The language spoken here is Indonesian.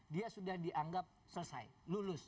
dia sudah dianggap selesai lulus